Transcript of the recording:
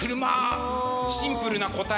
シンプルな答えだった。